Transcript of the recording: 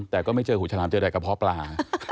แต่ก็ไม่เจอหูฉลามเจอใดกระเพาะปลา